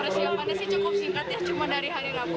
lintas yang mana sih cukup singkat ya cuma dari hari laku